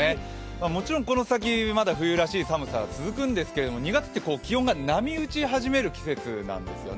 もちろんこの先、まだ冬らしい寒さ、続くんですけど２月って気温が波打ち始める季節なんですよね。